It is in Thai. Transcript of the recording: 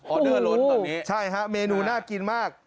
เดอร์ล้นตอนนี้ใช่ฮะเมนูน่ากินมาก